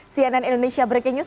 cnn indonesia breaking news